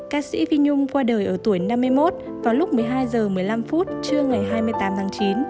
ca sĩ vi nhung qua đời ở tuổi năm mươi một vào lúc một mươi hai h một mươi năm trưa ngày hai mươi tám tháng chín